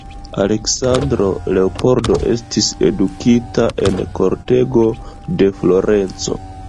Aleksandro Leopoldo estis edukita en kortego de Florenco.